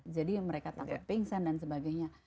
jadi mereka takut pingsan dan sebagainya